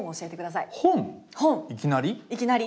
いきなり？